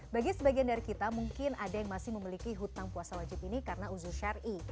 bagi sebagian dari kita mungkin ada yang masih memiliki hutang puasa wajib ini karena uzu ⁇ syari